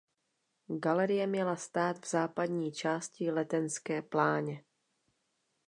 Galerie měla stát v západní části letenské pláně.